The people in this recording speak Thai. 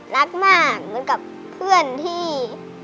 รักมากเหมือนกับเพื่อนที่